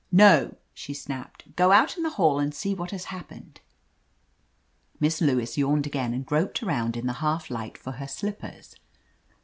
"No," she snapped. ''Go out in the hall and see what has happened." Miss Lewis yawned again and groped around in the half light for her slippers.